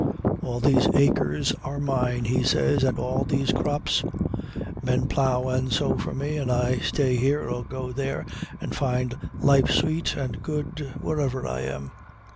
All these acres are mine, he says, and all these crops; men plow and sow for me, and I stay here or go there, and find life sweet and good wherever I am.